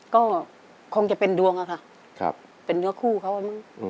ก็คงจะเป็นดวงอะค่ะเป็นเนื้อคู่เขามั้ง